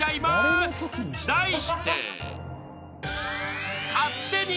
［題して］